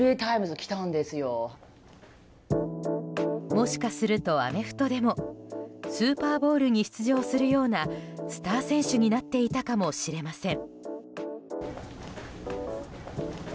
もしかするとアメフトでもスーパーボウルに出場するようなスター選手になっていたかもしれません。